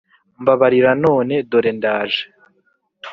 mbabarira none dore ndaje